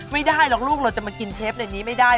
ไม่ได้หรอกลูกเราจะมากินเชฟในนี้ไม่ได้